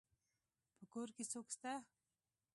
په کور کي څوک سته.